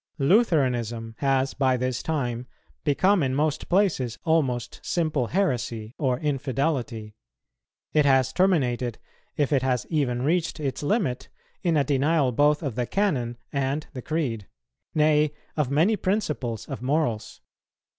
Lutheranism has by this time become in most places almost simple heresy or infidelity; it has terminated, if it has even yet reached its limit, in a denial both of the Canon and the Creed, nay, of many principles of morals.